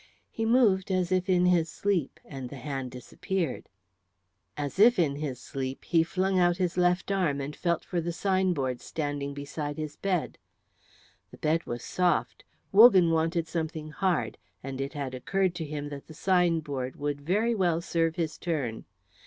He moved as if in his sleep, and the hand disappeared. As if in his sleep, he flung out his left arm and felt for the sign board standing beside his bed. The bed was soft. Wogan wanted something hard, and it had occurred to him that the sign board would very well serve his turn.